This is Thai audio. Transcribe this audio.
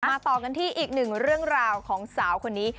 ต่อกันที่อีกหนึ่งเรื่องราวของสาวคนนี้